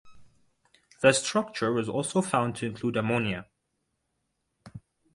The structure was also found to include ammonia.